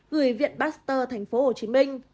gửi viện baxter tp hcm